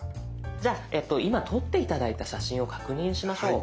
じゃあ今撮って頂いた写真を確認しましょう。